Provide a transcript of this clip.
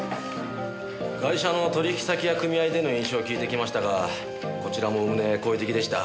ガイ者の取引先や組合での印象を聞いてきましたがこちらもおおむね好意的でした。